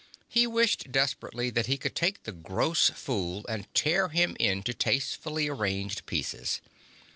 He wished desperately that he could take the gross fool and tear him into tastefully arranged pieces.